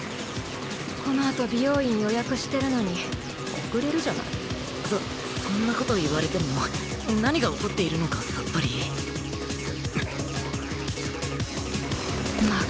このあと美容院予約してるのに遅れるじゃないそそんなこと言われても何が起こっているのかさっぱりまあ